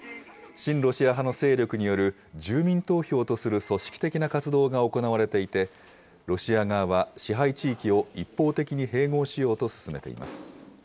親ロシア派の勢力による住民投票とする組織的な活動が行われていて、ロシア側は支配地域を一方的に併合しようと進めています。